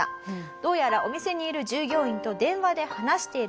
どうやらお店にいる従業員と電話で話しているようです。